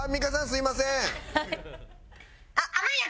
すみません。